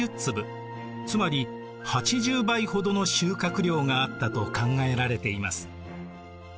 つまり８０倍ほどの収穫量があったと考えられています。